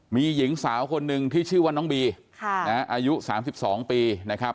มีหญิงสาวคนหนึ่งที่ชื่อว่าน้องบีอายุ๓๒ปีนะครับ